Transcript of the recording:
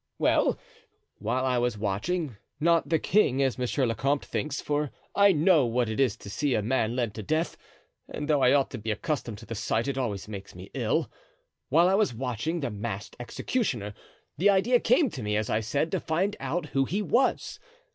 "Well, while I was watching—not the king, as monsieur le comte thinks, for I know what it is to see a man led to death, and though I ought to be accustomed to the sight it always makes me ill—while I was watching the masked executioner, the idea came to me, as I said, to find out who he was.